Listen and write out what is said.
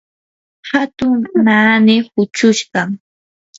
hatun naani huchushqam.